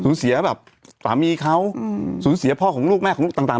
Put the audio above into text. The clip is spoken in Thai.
เสียแบบสามีเขาสูญเสียพ่อของลูกแม่ของลูกต่าง